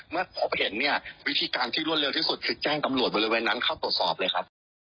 เมื่อพบเห็นเนี่ยวิธีการที่รวดเร็วที่สุดคือแจ้งตำรวจบริเวณนั้นเข้าตรวจสอบเลยครับ